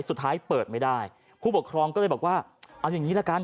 สุดท้ายเปิดไม่ได้ผู้ปกครองก็เลยบอกว่าเอาอย่างนี้ละกัน